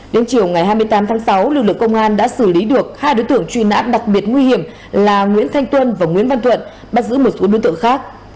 đến chiều ngày hai mươi tám tháng sáu lực lượng công an đã xử lý được hai đối tượng truy nã đặc biệt nguy hiểm là nguyễn thanh tuân và nguyễn văn thuận bắt giữ một số đối tượng khác